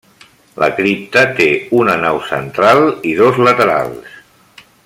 La cripta té una nau central i dos laterals.